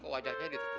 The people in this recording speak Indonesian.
kok wajahnya gitu bu